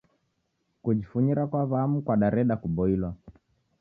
Kujifunyira kwa wam'u kwadareda kuboilwa.